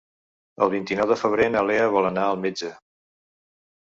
El vint-i-nou de febrer na Lea vol anar al metge.